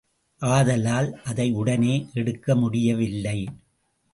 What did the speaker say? ஆதலால் அதை உடனே எடுக்க முடியவில்லை.